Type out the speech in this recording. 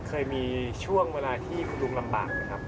เคยมีช่วงเวลาที่คุณลุงลำบากไหมครับ